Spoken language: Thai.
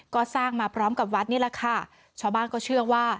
ก็สร้างมาพร้อมกับวัดนี่แหละค่ะชาวบ้านก็เชื่อว่า